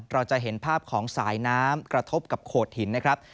เราจะเห็นภาพของสายน้ำกระทบกับโขดหินนะครับ